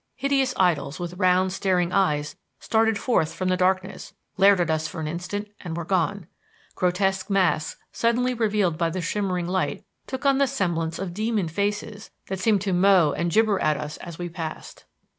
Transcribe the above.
Hideous idols with round, staring eyes started forth from the darkness, glared at us for an instant and were gone. Grotesque masks, suddenly revealed by the shimmering light, took on the semblance of demon faces that seemed to mow and gibber at us as we passed.